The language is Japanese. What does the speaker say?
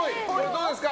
どうですか？